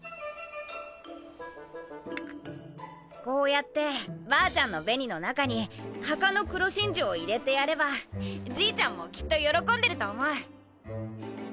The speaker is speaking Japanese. こうやってばあちゃんの紅の中に墓の黒真珠を入れてやればじいちゃんもきっと喜んでると思う。